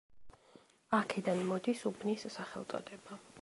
აქედან მოდის უბნის სახელწოდება.